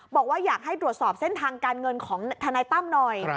บอกว่าอยากให้ตรวจสอบเส้นทางการเงินของทนายตั้มหน่อย